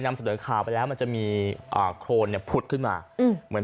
นำส่วนข่าวไปแล้วมันจะมีโครนปุดขึ้นมาเหมือน